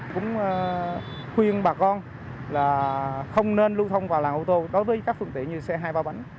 cũng khuyên bà con là không nên lưu thông vào làng ô tô đối với các phương tiện như xe hai ba bánh